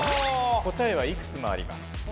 答えはいくつもあります。